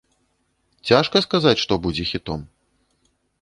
Цяжка сказаць, што будзе хітом.